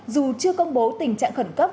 dù chưa công bố tình trạng khẩn cấp